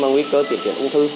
mà nguy cơ tiến triển ung thư